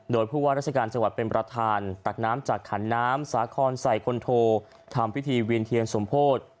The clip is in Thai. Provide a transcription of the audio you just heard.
โดยผู้ว่าราชการจังหวัดเป็นประธานตักน้ำจากขันน้ำสาครใส่คนโททำพิธีเวียนเทียนสมโพธิ